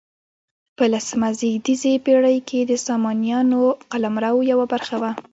په لسمه زېږدیزې پیړۍ کې د سامانیانو قلمرو یوه برخه وه.